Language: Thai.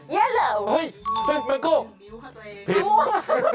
เย็นเหรอเห้ยมันก็พิษ